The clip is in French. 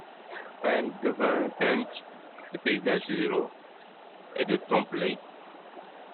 Payne devint peintre de paysages ruraux et de trompe-l'œil.